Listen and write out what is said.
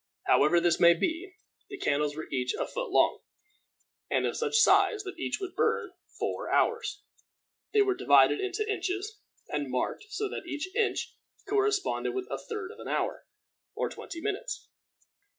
However this may be, the candles were each a foot long, and of such size that each would burn four hours. They were divided into inches, and marked, so that each inch corresponded with a third of an hour, or twenty minutes.